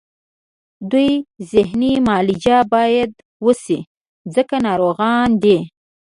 د دوی ذهني معالجه باید وشي ځکه ناروغان دي